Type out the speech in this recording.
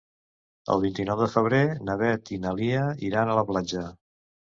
El vint-i-nou de febrer na Beth i na Lia iran a la platja.